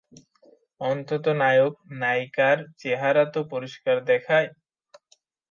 অন্তত নায়ক নায়িকার চেহারা তো পরিষ্কার দেখায়।